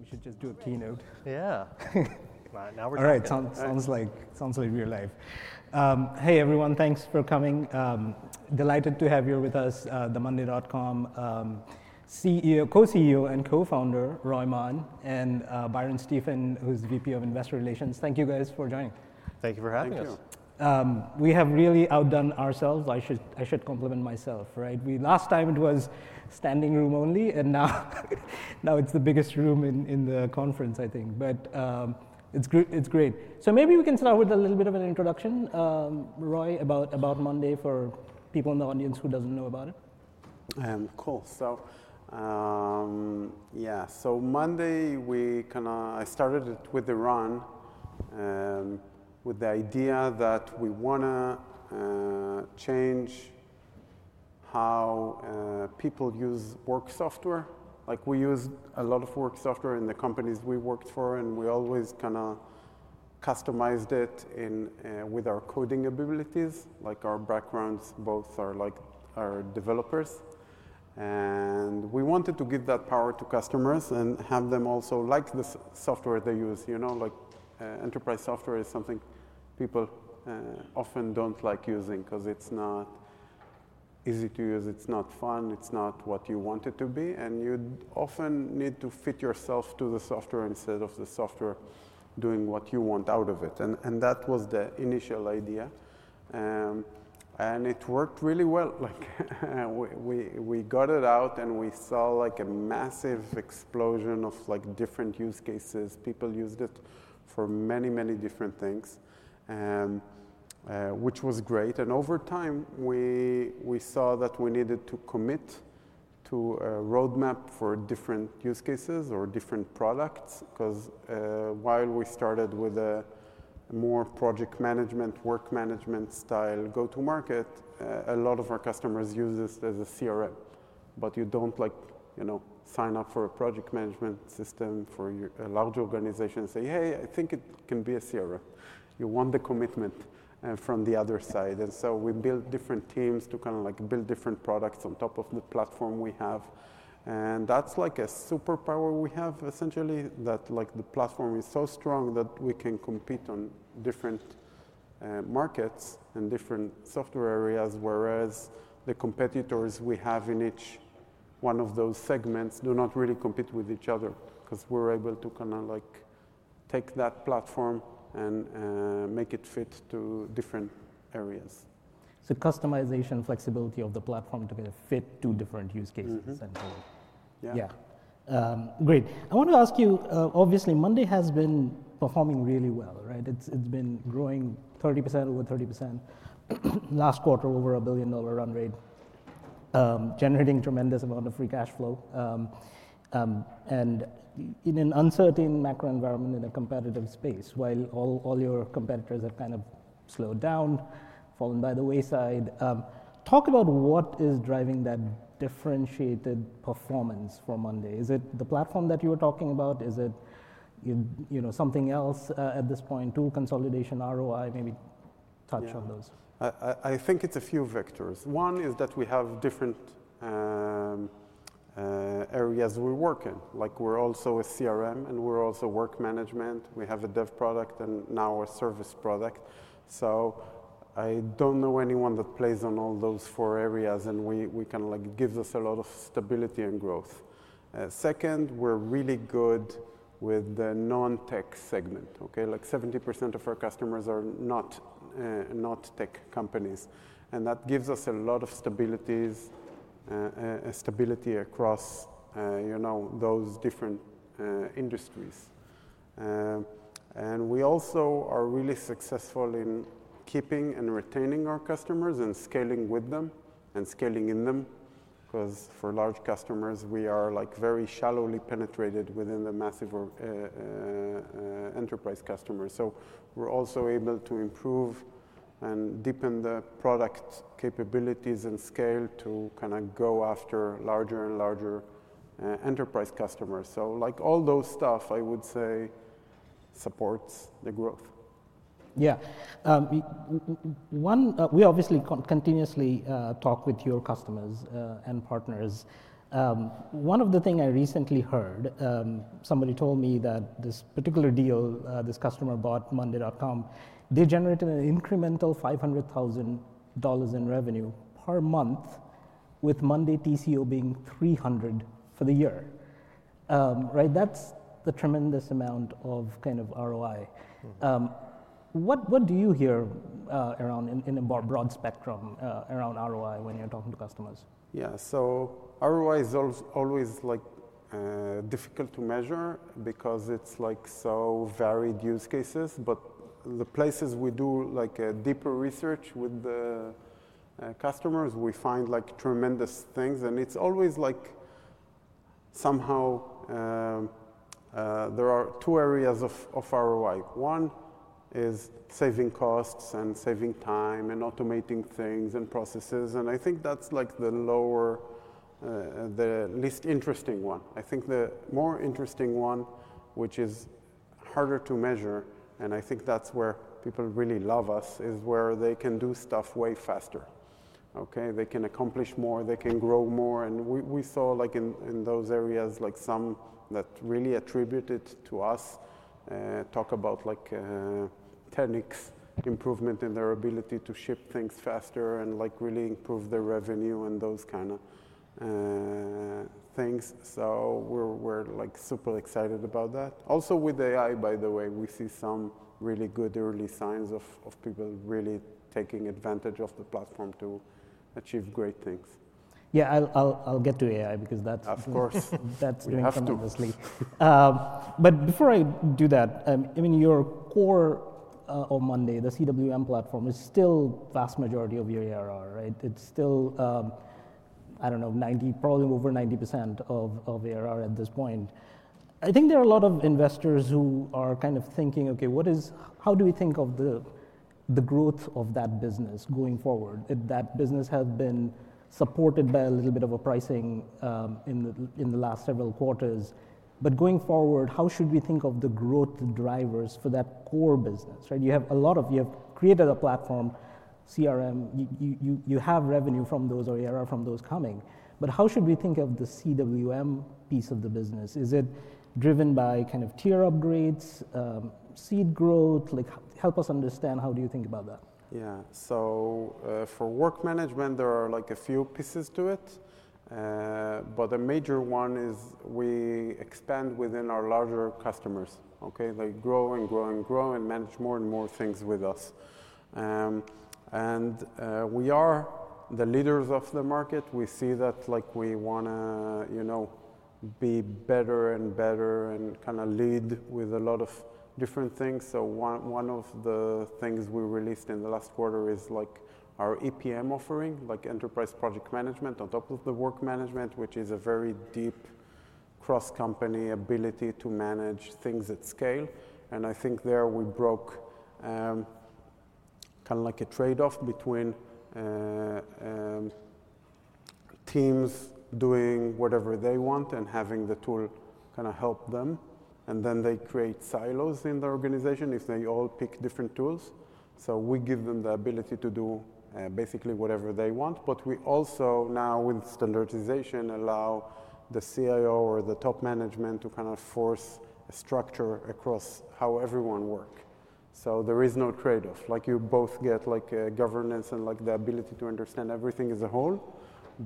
We should just do a keynote. Yeah. Now we're talking about. All right. Sounds like real life. Hey, everyone. Thanks for coming. Delighted to have you with us, the monday.com co-CEO, and co-founder Roy Mann, and Byron Stephen, who's VP of Investor Relations. Thank you, guys, for joining. Thank you for having us. Thank you. We have really outdone ourselves. I should compliment myself, right? Last time, it was standing room only. Now it is the biggest room in the conference, I think. It is great. Maybe we can start with a little bit of an introduction, Roy, about monday.com for people in the audience who do not know about it. Cool. Yeah. Monday, I started it with Eran, with the idea that we want to change how people use work software. We use a lot of work software in the companies we worked for. We always kind of customized it with our coding abilities. Our backgrounds both are developers. We wanted to give that power to customers and have them also like the software they use. Enterprise software is something people often do not like using because it is not easy to use. It is not fun. It is not what you want it to be. You often need to fit yourself to the software instead of the software doing what you want out of it. That was the initial idea. It worked really well. We got it out. We saw a massive explosion of different use cases. People used it for many, many different things, which was great. Over time, we saw that we needed to commit to a roadmap for different use cases or different products. While we started with a more project management, work management style go-to-market, a lot of our customers use this as a CRM. You do not sign up for a project management system for a large organization and say, hey, I think it can be a CRM. You want the commitment from the other side. We built different teams to kind of build different products on top of the platform we have. That's like a superpower we have, essentially, that the platform is so strong that we can compete on different markets and different software areas, whereas the competitors we have in each one of those segments do not really compete with each other because we're able to kind of take that platform and make it fit to different areas. Customization and flexibility of the platform to fit two different use cases, essentially. Yeah. Yeah. Great. I want to ask you, obviously, Monday has been performing really well, right? It's been growing 30%, over 30%. Last quarter, over a billion-dollar run rate, generating a tremendous amount of free cash flow. And in an uncertain macro environment in a competitive space, while all your competitors have kind of slowed down, fallen by the wayside, talk about what is driving that differentiated performance for Monday. Is it the platform that you were talking about? Is it something else at this point, too, consolidation, ROI? Maybe touch on those. I think it's a few vectors. One is that we have different areas we work in. We're also a CRM. And we're also work management. We have a dev product and now a service product. I don't know anyone that plays on all those four areas. We kind of give us a lot of stability and growth. Second, we're really good with the non-tech segment. Like 70% of our customers are not tech companies. That gives us a lot of stability across those different industries. We also are really successful in keeping and retaining our customers and scaling with them and scaling in them. Because for large customers, we are very shallowly penetrated within the massive enterprise customers. We're also able to improve and deepen the product capabilities and scale to kind of go after larger and larger enterprise customers. All those stuff, I would say, supports the growth. Yeah. We obviously continuously talk with your customers and partners. One of the things I recently heard, somebody told me that this particular deal this customer bought, monday.com, they generated an incremental $500,000 in revenue per month, with Monday TCO being $300 for the year. That's a tremendous amount of kind of ROI. What do you hear, around, in a broad spectrum, around ROI when you're talking to customers? Yeah. ROI is always difficult to measure because it's so varied use cases. The places we do deeper research with the customers, we find tremendous things. It's always like somehow there are two areas of ROI. One is saving costs and saving time and automating things and processes. I think that's the lower, the least interesting one. I think the more interesting one, which is harder to measure, and I think that's where people really love us, is where they can do stuff way faster. They can accomplish more. They can grow more. We saw in those areas some that really attributed to us talk about techniques improvement in their ability to ship things faster and really improve their revenue and those kind of things. We're super excited about that. Also, with AI, by the way, we see some really good early signs of people really taking advantage of the platform to achieve great things. Yeah. I'll get to AI because that's. Of course. That's doing it [obviously] Before I do that, I mean, your core on Monday. the CWM platform, is still the vast majority of your ERR, right? It's still, I don't know, probably over 90% of ERR at this point. I think there are a lot of investors who are kind of thinking, OK, how do we think of the growth of that business going forward? That business has been supported by a little bit of a pricing in the last several quarters. Going forward, how should we think of the growth drivers for that core business? You have created a platform, CRM. You have revenue from those or ERR from those coming. How should we think of the CWM piece of the business? Is it driven by kind of tier upgrades, seat growth? Help us understand how do you think about that. Yeah. So for work management, there are a few pieces to it. A major one is we expand within our larger customers, grow and grow and grow and manage more and more things with us. We are the leaders of the market. We see that we want to be better and better and kind of lead with a lot of different things. One of the things we released in the last quarter is our EPM offering, Enterprise Project Management on top of the work management, which is a very deep cross-company ability to manage things at scale. I think there we broke kind of like a trade-off between teams doing whatever they want and having the tool kind of help them. Then they create silos in the organization if they all pick different tools. We give them the ability to do basically whatever they want. We also now, with standardization, allow the CIO or the top management to kind of force a structure across how everyone works. There is no trade-off. You both get governance and the ability to understand everything as a whole,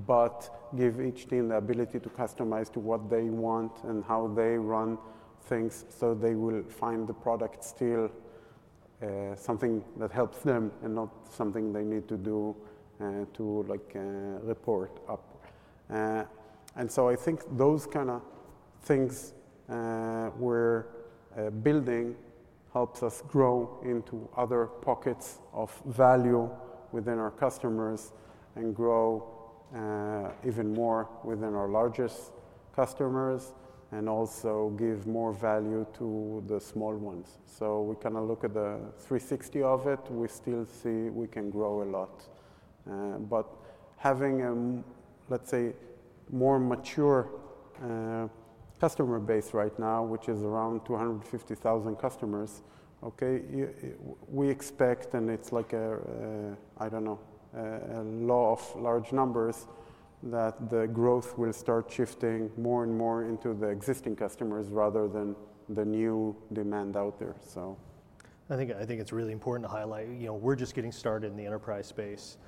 but give each team the ability to customize to what they want and how they run things so they will find the product still something that helps them and not something they need to do to report up. I think those kind of things we're building helps us grow into other pockets of value within our customers and grow even more within our largest customers and also give more value to the small ones. We kind of look at the 360 of it. We still see we can grow a lot. Having, let's say, a more mature customer base right now, which is around 250,000 customers, we expect, and it's like, I don't know, a law of large numbers, that the growth will start shifting more and more into the existing customers rather than the new demand out there. I think it's really important to highlight we're just getting started in the enterprise space.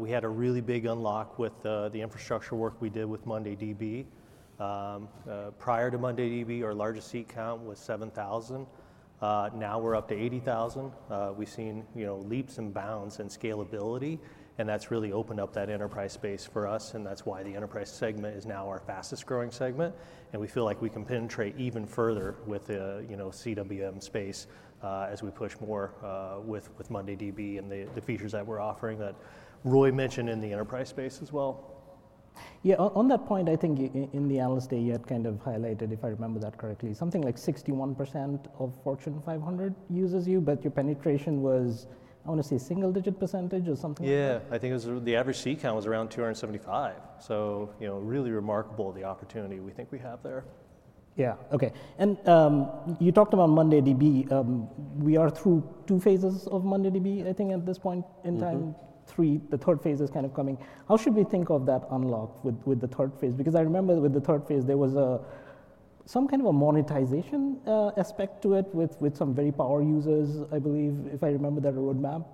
We had a really big unlock with the infrastructure work we did with MondayDB. Prior to MondayDB, our largest seat count was 7,000. Now we're up to 80,000. We've seen leaps and bounds in scalability. That has really opened up that enterprise space for us. That is why the enterprise segment is now our fastest growing segment. We feel like we can penetrate even further with the CWM space as we push more with MondayDB and the features that we're offering that Roy mentioned in the enterprise space as well. Yeah. On that point, I think in the analysis that you had kind of highlighted, if I remember that correctly, something like 61% of Fortune 500 uses you. But your penetration was, I want to say, single-digit percentage or something like that? Yeah. I think the average seat count was around 275. So really remarkable the opportunity we think we have there. Yeah. OK. You talked about MondayDB. We are through two phases of MondayDB, I think, at this point in time. The third phase is kind of coming. How should we think of that unlock with the third phase? I remember with the third phase, there was some kind of a monetization aspect to it with some very power users, I believe, if I remember that roadmap.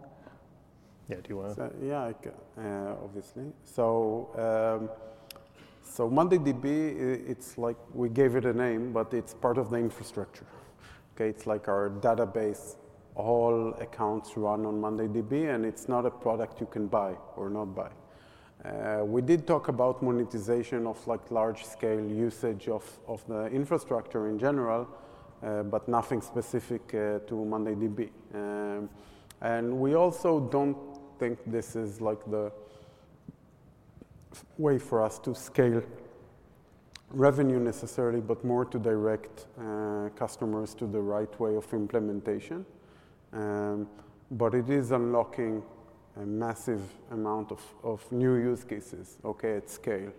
Yeah. Do you want to? Yeah, obviously. MondayDB, it's like we gave it a name, but it's part of the infrastructure. It's like our database, all accounts run on MondayDB. It's not a product you can buy or not buy. We did talk about monetization of large-scale usage of the infrastructure in general, but nothing specific to MondayDB. We also don't think this is the way for us to scale revenue necessarily, but more to direct customers to the right way of implementation. It is unlocking a massive amount of new use cases at scale.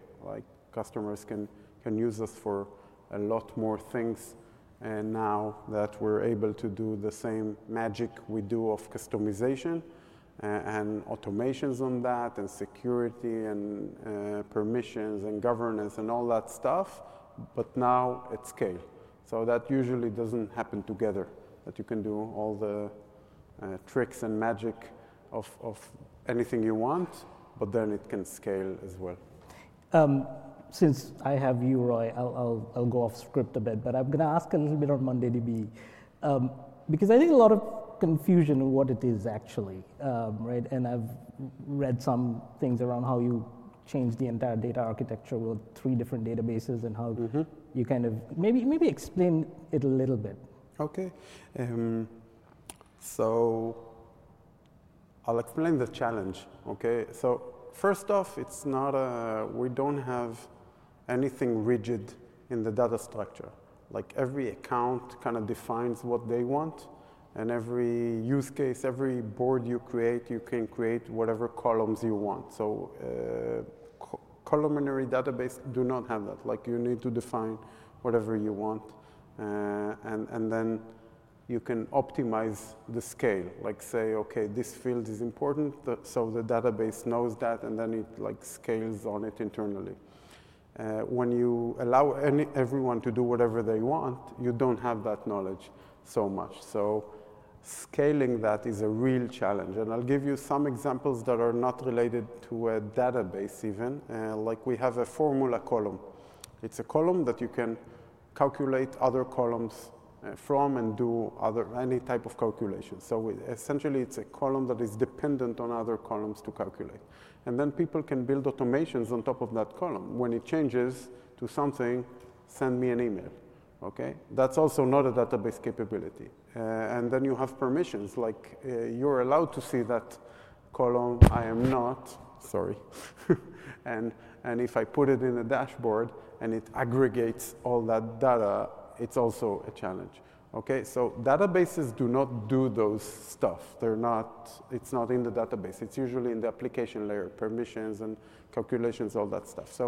Customers can use us for a lot more things now that we're able to do the same magic we do of customization and automations on that and security and permissions and governance and all that stuff, but now at scale. That usually doesn't happen together, that you can do all the tricks and magic of anything you want, but then it can scale as well. Since I have you, Roy, I'll go off script a bit. I'm going to ask a little bit on MondayDB because I think a lot of confusion on what it is, actually. I've read some things around how you changed the entire data architecture with three different databases and how you kind of maybe explain it a little bit. OK. I'll explain the challenge. First off, we don't have anything rigid in the data structure. Every account kind of defines what they want. Every use case, every board you create, you can create whatever columns you want. Columnar databases do not have that. You need to define whatever you want, and then you can optimize the scale, say, OK, this field is important, so the database knows that, and then it scales on it internally. When you allow everyone to do whatever they want, you don't have that knowledge so much. Scaling that is a real challenge. I'll give you some examples that are not related to a database even. We have a formula column. It's a column that you can calculate other columns from and do any type of calculation. Essentially, it's a column that is dependent on other columns to calculate. And then people can build automations on top of that column. When it changes to something, send me an email. That's also not a database capability. And then you have permissions. You're allowed to see that column. I am not, sorry. If I put it in a dashboard and it aggregates all that data, it's also a challenge. Databases do not do those stuff. It's not in the database. It's usually in the application layer, permissions and calculations, all that stuff.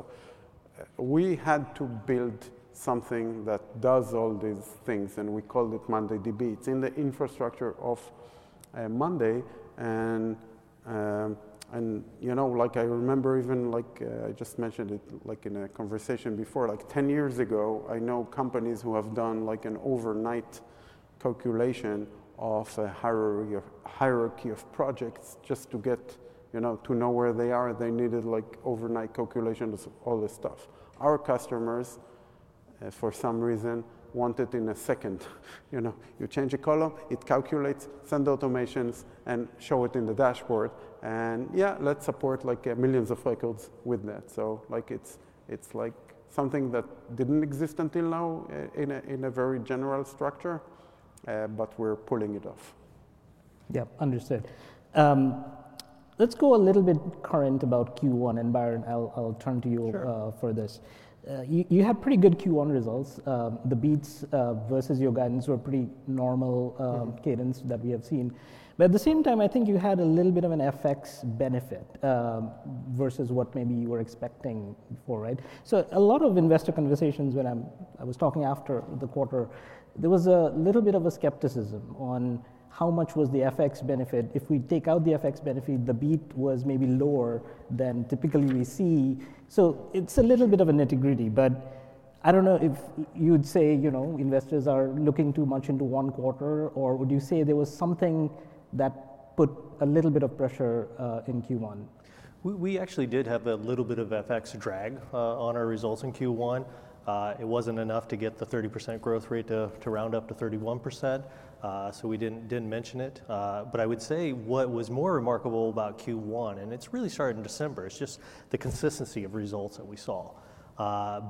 We had to build something that does all these things. We called it MondayDB. It's in the infrastructure of Monday. Like I remember, even like I just mentioned it in a conversation before, 10 years ago, I know companies who have done an overnight calculation of a hierarchy of projects just to get to know where they are. They needed overnight calculations, all this stuff. Our customers, for some reason, want it in a second. You change a column, it calculates, send automations, and show it in the dashboard. Yeah, let's support millions of records with that. It is like something that did not exist until now in a very general structure. We are pulling it off. Yeah. Understood. Let's go a little bit current about Q1. And Byron, I'll turn to you for this. You had pretty good Q1 results. The beats versus your guidance were pretty normal cadence that we have seen. At the same time, I think you had a little bit of an FX benefit versus what maybe you were expecting before, right? A lot of investor conversations when I was talking after the quarter, there was a little bit of a skepticism on how much was the FX benefit. If we take out the FX benefit, the beat was maybe lower than typically we see. It's a little bit of a nitty-gritty. I don't know if you'd say investors are looking too much into one quarter. Or would you say there was something that put a little bit of pressure in Q1? We actually did have a little bit of FX drag on our results in Q1. It was not enough to get the 30% growth rate to round up to 31%. So we did not mention it. I would say what was more remarkable about Q1, and it really started in December, is just the consistency of results that we saw,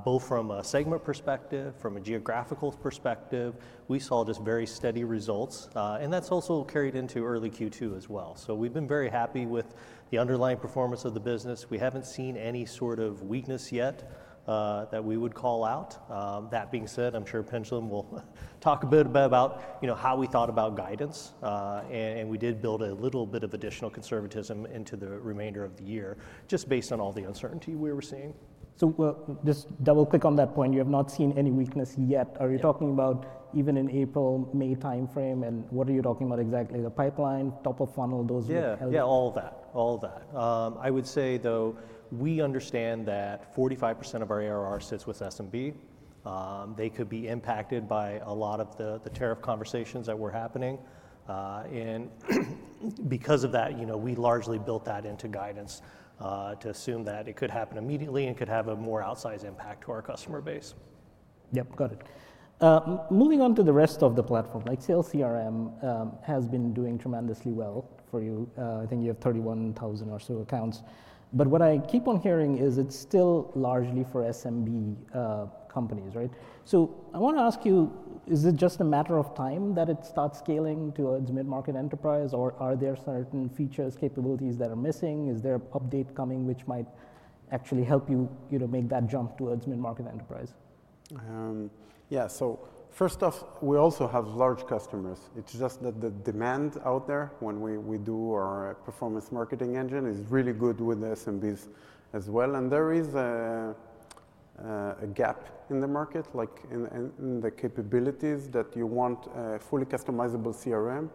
both from a segment perspective, from a geographical perspective. We saw just very steady results. That has also carried into early Q2 as well. We have been very happy with the underlying performance of the business. We have not seen any sort of weakness yet that we would call out. That being said, I am sure [Pendulum] will talk a bit about how we thought about guidance. We did build a little bit of additional conservatism into the remainder of the year just based on all the uncertainty we were seeing. Just double-click on that point. You have not seen any weakness yet? Are you talking about even in April, May time frame? And what are you talking about exactly? The pipeline, top of funnel, those? Yeah. All that. All that. I would say, though, we understand that 45% of our ERR sits with SMB. They could be impacted by a lot of the tariff conversations that were happening. Because of that, we largely built that into guidance to assume that it could happen immediately and could have a more outsized impact to our customer base. Yep. Got it. Moving on to the rest of the platform. Like Sales CRM has been doing tremendously well for you. I think you have 31,000 or so accounts. What I keep on hearing is it's still largely for SMB companies, right? I want to ask you, is it just a matter of time that it starts scaling towards mid-market enterprise? Are there certain features, capabilities that are missing? Is there an update coming which might actually help you make that jump towards mid-market enterprise? Yeah. So first off, we also have large customers. It's just that the demand out there when we do our performance marketing engine is really good with SMBs as well. There is a gap in the market, like in the capabilities that you want a fully customizable CRM.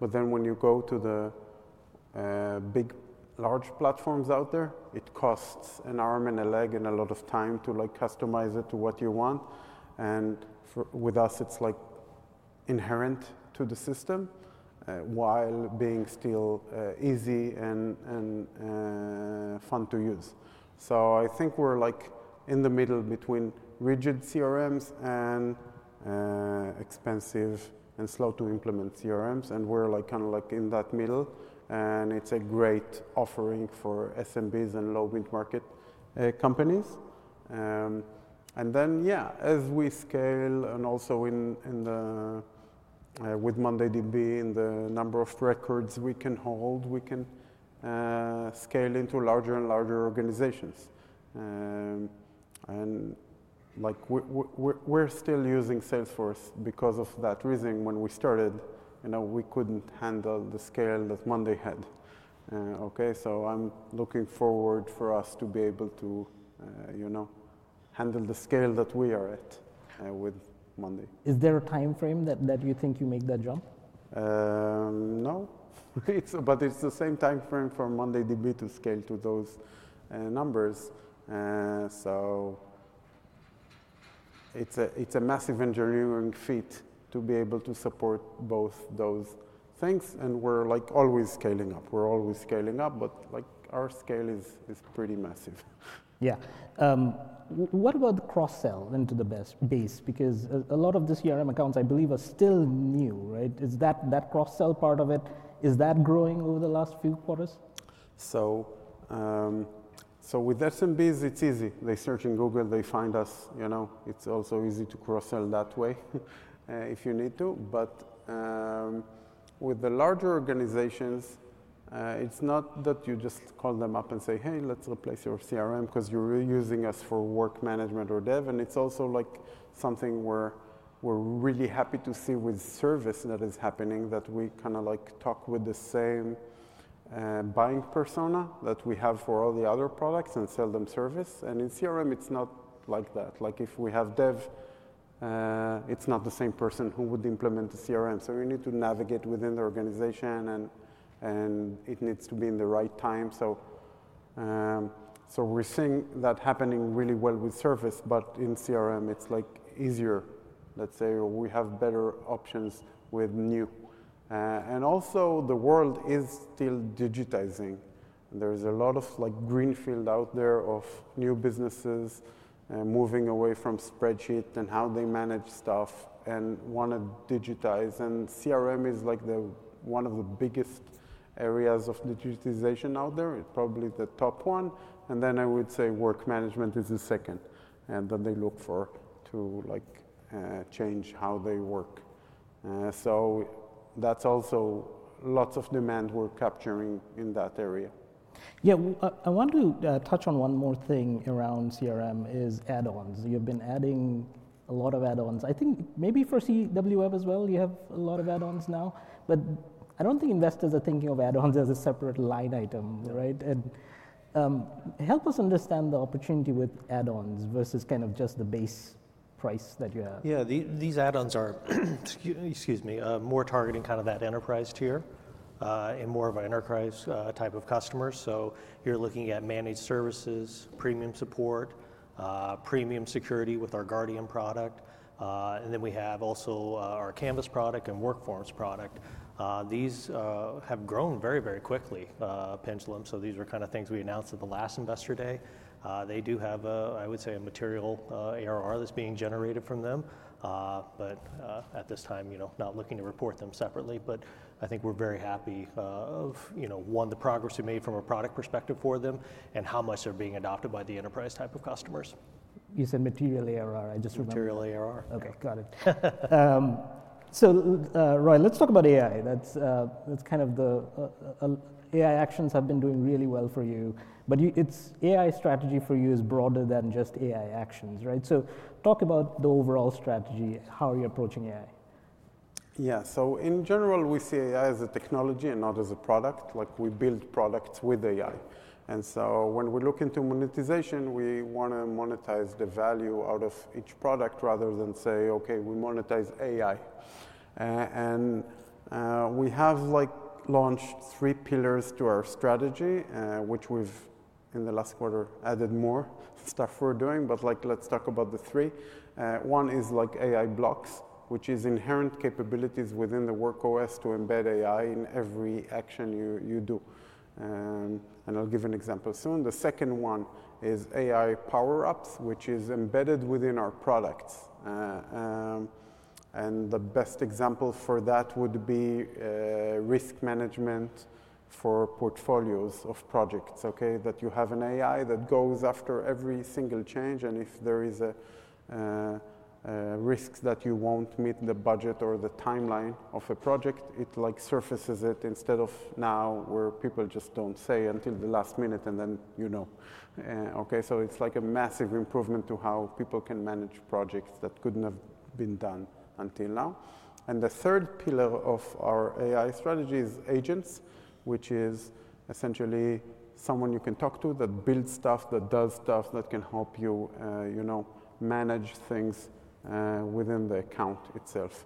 But then when you go to the big large platforms out there, it costs an arm and a leg and a lot of time to customize it to what you want. With us, it's like inherent to the system while being still easy and fun to use. I think we're in the middle between rigid CRMs and expensive and slow-to-implement CRMs. We're kind of like in that middle. It's a great offering for SMBs and low-bid market companies. Yeah, as we scale and also with MondayDB and the number of records we can hold, we can scale into larger and larger organizations. We're still using Salesforce because of that reason. When we started, we couldn't handle the scale that Monday had. I'm looking forward for us to be able to handle the scale that we are at with Monday. Is there a time frame that you think you make that jump? No. It's the same time frame for MondayDB to scale to those numbers. It's a massive engineering feat to be able to support both those things. We're always scaling up. We're always scaling up. Our scale is pretty massive. Yeah. What about cross-sell into the base? Because a lot of these CRM accounts, I believe, are still new, right? That cross-sell part of it, is that growing over the last few quarters? With SMBs, it's easy. They search in Google. They find us. It's also easy to cross-sell that way if you need to. With the larger organizations, it's not that you just call them up and say, hey, let's replace your CRM because you're using us for work management or dev. It's also something we're really happy to see with service that is happening, that we kind of talk with the same buying persona that we have for all the other products and sell them service. In CRM, it's not like that. If we have dev, it's not the same person who would implement the CRM. We need to navigate within the organization. It needs to be in the right time. We're seeing that happening really well with service. In CRM, it's easier, let's say, or we have better options with new. The world is still digitizing. There is a lot of greenfield out there of new businesses moving away from spreadsheets and how they manage stuff and want to digitize. CRM is one of the biggest areas of digitization out there. It's probably the top one. I would say work management is the second that they look for to change how they work. That's also lots of demand we're capturing in that area. Yeah. I want to touch on one more thing around CRM is add-ons. You've been adding a lot of add-ons. I think maybe for CWM as well, you have a lot of add-ons now. I don't think investors are thinking of add-ons as a separate line item, right? Help us understand the opportunity with add-ons versus kind of just the base price that you have. Yeah. These add-ons are, excuse me, more targeting kind of that enterprise tier and more of an enterprise type of customers. You are looking at managed services, premium support, premium security with our Guardian product. We also have our Canvas product and WorkForms product. These have grown very, very quickly, [Pendulum]. These were kind of things we announced at the last investor day. They do have, I would say, a material ARR that is being generated from them. At this time, not looking to report them separately. I think we are very happy of, one, the progress we made from a product perspective for them and how much they are being adopted by the enterprise type of customers. You said material ARR. I just remembered. Material ARR. OK. Got it. Roy, let's talk about AI. AI Actions have been doing really well for you. AI strategy for you is broader than just AI Actions, right? Talk about the overall strategy. How are you approaching AI? Yeah. In general, we see AI as a technology and not as a product. We build products with AI. When we look into monetization, we want to monetize the value out of each product rather than say, OK, we monetize AI. We have launched three pillars to our strategy, which we have, in the last quarter, added more stuff we are doing. Let's talk about the three. One is AI Blocks, which is inherent capabilities within the Work OS to embed AI in every action you do. I'll give an example soon. The second one is AI Power-Ups, which is embedded within our products. The best example for that would be risk management for portfolios of projects, that you have an AI that goes after every single change. If there are risks that you will not meet the budget or the timeline of a project, it surfaces it instead of now, where people just do not say until the last minute. You know, it is like a massive improvement to how people can manage projects that could not have been done until now. The third pillar of our AI strategy is agents, which is essentially someone you can talk to that builds stuff, that does stuff, that can help you manage things within the account itself.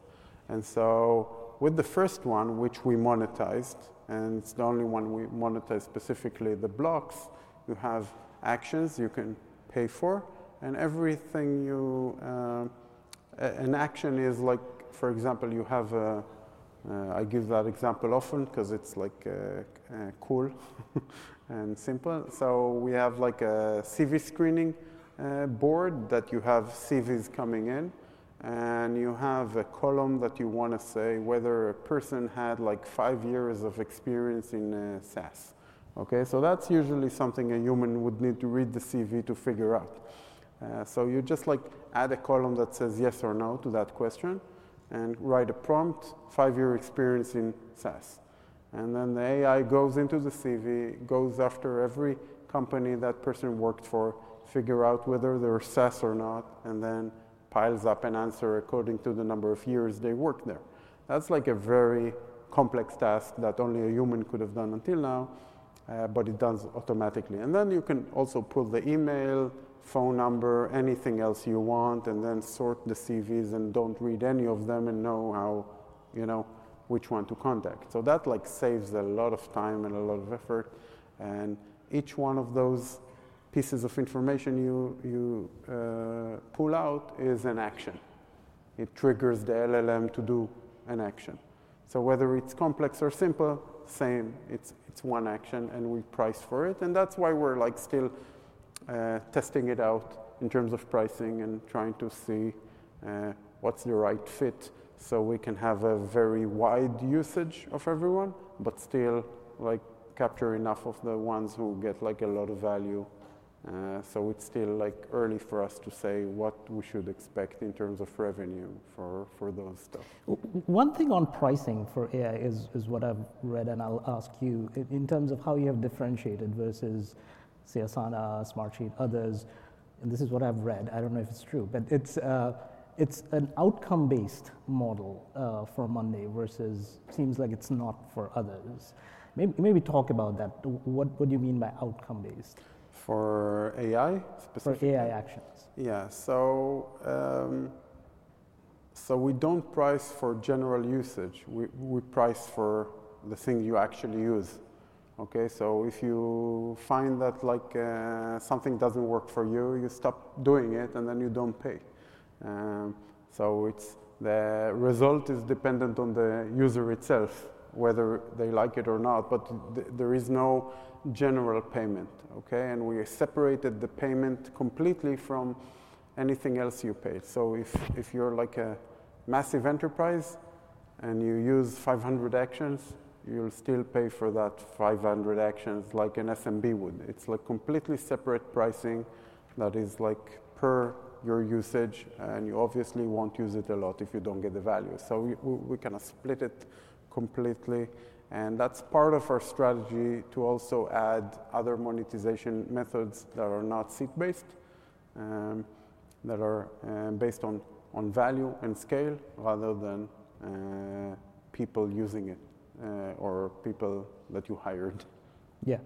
With the first one, which we monetized, and it is the only one we monetize specifically, the Blocks, you have actions you can pay for. An action is like, for example, you have a—I give that example often because it is cool and simple. We have a CV screening board that you have CVs coming in. You have a column that you want to say whether a person had like five years of experience in SaaS. That's usually something a human would need to read the CV to figure out. You just add a column that says yes or no to that question and write a prompt, five-year experience in SaaS. The AI goes into the CV, goes after every company that person worked for, figures out whether they're SaaS or not, and then piles up an answer according to the number of years they worked there. That's like a very complex task that only a human could have done until now. It does automatically. You can also pull the email, phone number, anything else you want, and then sort the CVs and don't read any of them and know which one to contact. That saves a lot of time and a lot of effort. Each one of those pieces of information you pull out is an action. It triggers the LLM to do an action. Whether it is complex or simple, same. It is one action. We price for it. That is why we are still testing it out in terms of pricing and trying to see what is the right fit so we can have a very wide usage of everyone, but still capture enough of the ones who get a lot of value. It is still early for us to say what we should expect in terms of revenue for those stuff. One thing on pricing for AI is what I've read. I'll ask you in terms of how you have differentiated versus Asana, Smartsheet, others. This is what I've read. I don't know if it's true. It is an outcome-based model for Monday versus seems like it's not for others. Maybe talk about that. What do you mean by outcome-based? For AI specifically? For AI Actions. Yeah. We do not price for general usage. We price for the thing you actually use. If you find that something does not work for you, you stop doing it, and then you do not pay. The result is dependent on the user itself, whether they like it or not. There is no general payment. We separated the payment completely from anything else you pay. If you are like a massive enterprise and you use 500 actions, you will still pay for that 500 actions like an SMB would. It is completely separate pricing that is per your usage. You obviously will not use it a lot if you do not get the value. We kind of split it completely. That's part of our strategy to also add other monetization methods that are not seat-based, that are based on value and scale rather than people using it or people that you hired. Yeah.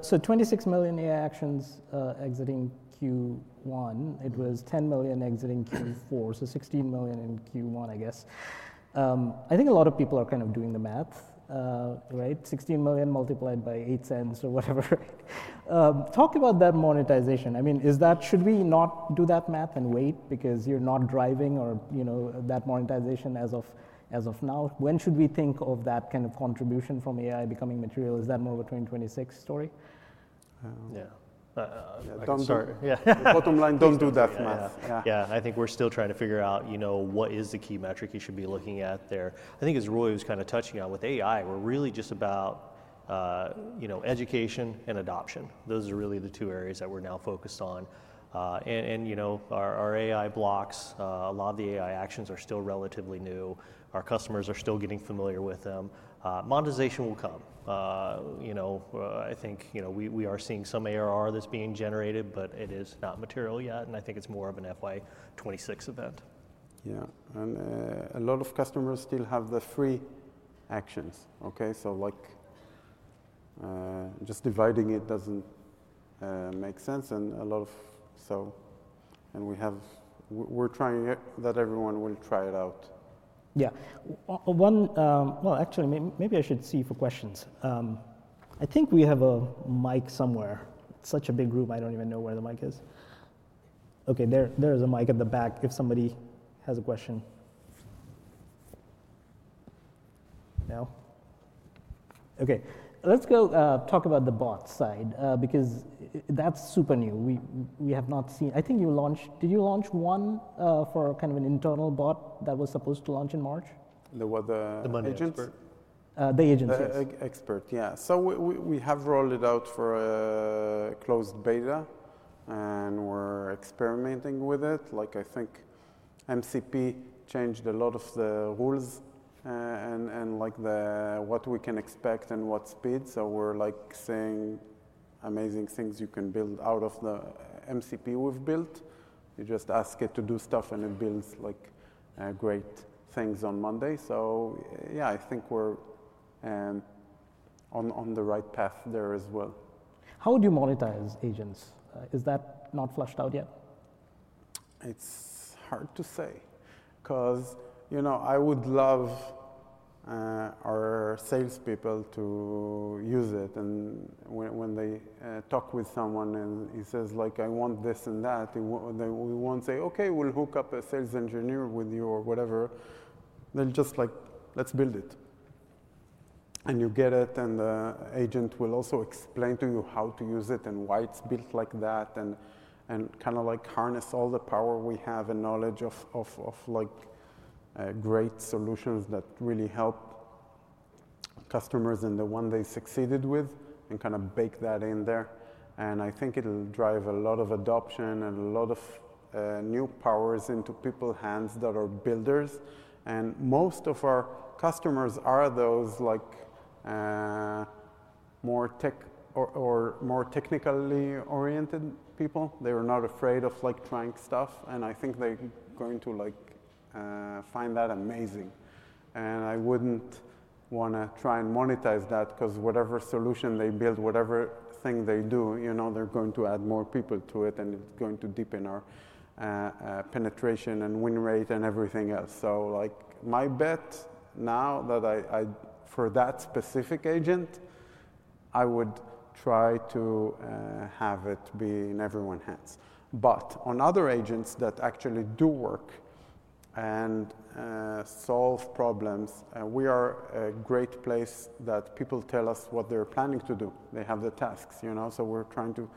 So 26 million AI Actions exiting Q1. It was 10 million exiting Q4. So 16 million in Q1, I guess. I think a lot of people are kind of doing the math, right? 16 million multiplied by $0.08 or whatever. Talk about that monetization. I mean, should we not do that math and wait because you're not driving that monetization as of now? When should we think of that kind of contribution from AI becoming material? Is that more of a 2026 story? Yeah. Yeah. Bottom line, don't do that math. Yeah. I think we're still trying to figure out what is the key metric you should be looking at there. I think, as Roy was kind of touching on with AI, we're really just about education and adoption. Those are really the two areas that we're now focused on. Our AI Blocks, a lot of the AI Actions are still relatively new. Our customers are still getting familiar with them. Monetization will come. I think we are seeing some ARR that's being generated. It is not material yet. I think it's more of an FY 2026 event. Yeah. A lot of customers still have the free actions. Just dividing it doesn't make sense. We're trying that everyone will try it out. Yeah. Actually, maybe I should see for questions. I think we have a mic somewhere. It's such a big room. I don't even know where the mic is. OK. There is a mic at the back if somebody has a question. No? OK. Let's talk about the bots side because that's super new. We have not seen, I think you launched, did you launch one for kind of an internal bot that was supposed to launch in March? The Monday agents? The agents. Expert, yeah. We have rolled it out for a closed beta. And we're experimenting with it. I think MCP changed a lot of the rules and what we can expect and what speed. We're seeing amazing things you can build out of the MCP we've built. You just ask it to do stuff. It builds great things on Monday. Yeah, I think we're on the right path there as well. How do you monetize agents? Is that not flushed out yet? It's hard to say because I would love our salespeople to use it. When they talk with someone and he says, I want this and that, we won't say, OK, we'll hook up a sales engineer with you or whatever. They'll just like, let's build it. You get it. The agent will also explain to you how to use it and why it's built like that and kind of harness all the power we have and knowledge of great solutions that really help customers and the ones they succeeded with and kind of bake that in there. I think it'll drive a lot of adoption and a lot of new powers into people's hands that are builders. Most of our customers are those more technically-oriented people. They are not afraid of trying stuff. I think they're going to find that amazing. I would not want to try and monetize that because whatever solution they build, whatever thing they do, they are going to add more people to it. It is going to deepen our penetration and win rate and everything else. My bet now is that for that specific agent, I would try to have it be in everyone's hands. On other agents that actually do work and solve problems, we are a great place that people tell us what they are planning to do. They have the tasks. We are trying to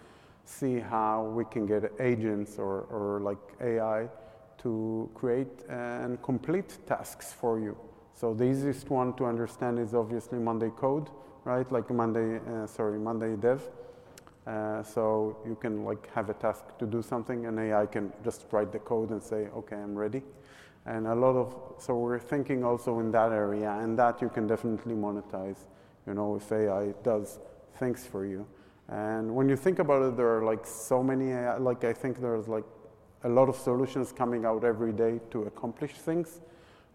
see how we can get agents or AI to create and complete tasks for you. The easiest one to understand is obviously Monday Code, like Monday Dev. You can have a task to do something, and AI can just write the code and say, OK, I am ready. A lot of, so we're thinking also in that area. That you can definitely monetize if AI does things for you. When you think about it, there are so many. I think there's a lot of solutions coming out every day to accomplish things.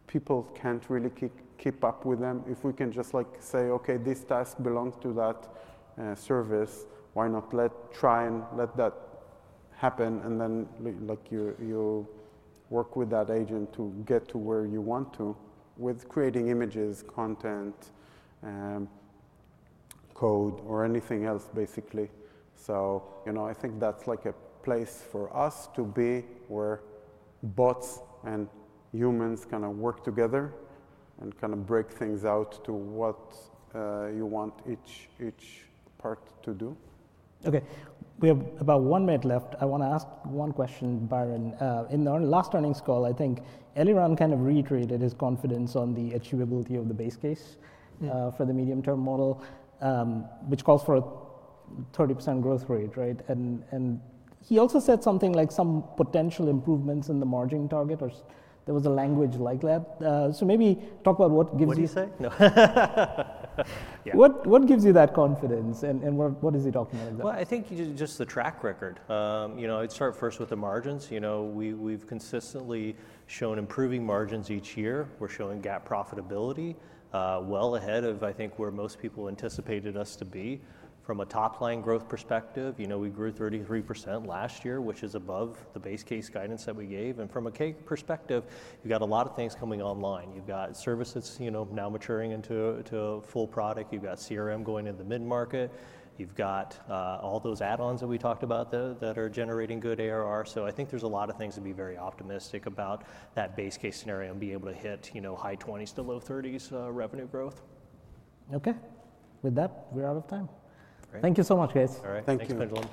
People can't really keep up with them. If we can just say, OK, this task belongs to that service, why not try and let that happen? You work with that agent to get to where you want to with creating images, content, code, or anything else, basically. I think that's like a place for us to be where bots and humans kind of work together and kind of break things out to what you want each part to do. OK. We have about one minute left. I want to ask one question, Byron. In our last earnings call, I think Eliran kind of reiterated his confidence on the achievability of the base case for the medium-term model, which calls for a 30% growth rate. He also said something like some potential improvements in the margin target. There was a language like that. Maybe talk about what gives you. What did he say? What gives you that confidence? What is he talking about? I think just the track record. I'd start first with the margins. We've consistently shown improving margins each year. We're showing GAAP profitability well ahead of, I think, where most people anticipated us to be from a top-line growth perspective. We grew 33% last year, which is above the base case guidance that we gave. From a cake perspective, you've got a lot of things coming online. You've got services now maturing into a full product. You've got CRM going into mid-market. You've got all those add-ons that we talked about that are generating good ARR. I think there's a lot of things to be very optimistic about that base case scenario and be able to hit high 20s to low 30s revenue growth. OK. With that, we're out of time. Thank you so much, guys. All right. Thanks, everyone.